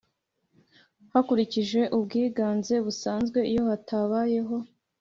Hakurikijwe ubwiganze busanzwe iyo hatabayeho